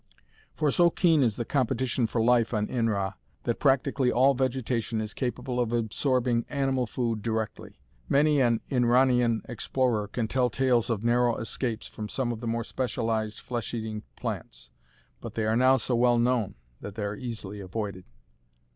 For so keen is the competition for life on Inra that practically all vegetation is capable of absorbing animal food directly. Many an Inranian explorer can tell tales of narrow escapes from some of the more specialized flesh eating plants; but they are now so well known that they are easily avoided.